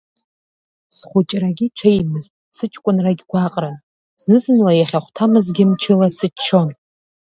Схәыҷрагьы ҽеимызт, сыҷкәынрагь гәаҟран, зны-зынла иахьахәҭамызгьы мчыла сыччон…